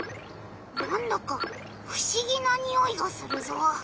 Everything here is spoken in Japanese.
なんだかふしぎなにおいがするぞ。